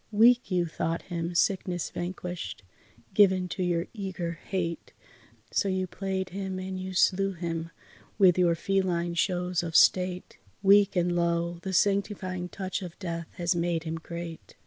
Weak you thought him, sickness vanquished, given to your eager hate. So you played him and you slew him with your feline shows of state, Weak and lo! the sanctifying touch of death has made him great.